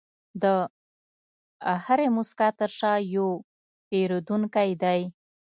د هرې موسکا تر شا یو پیرودونکی دی.